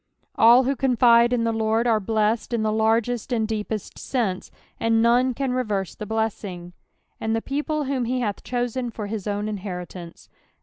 All who contido in the I^ord are blessed in the largest and deepest sense, and none can reverw the blesFJng. "And the people whom be hath ehoten fvr hi* own inheritanee.